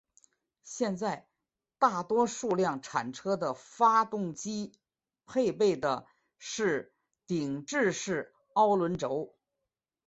现在大多数量产车的发动机配备的是顶置式凸轮轴。